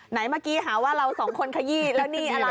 เมื่อกี้หาว่าเราสองคนขยี้แล้วนี่อะไร